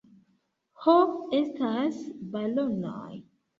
Ho estas balonoj